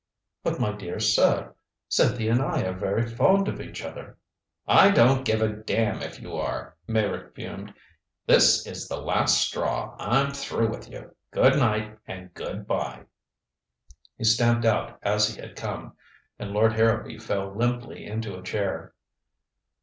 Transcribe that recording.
"But my dear sir, Cynthia and I are very fond of each other " "I don't give a damn if you are!" Meyrick fumed. "This is the last straw. I'm through with you. Good night, and good by." He stamped out as he had come, and Lord Harrowby fell limply into a chair.